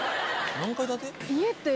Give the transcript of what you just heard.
何階建て？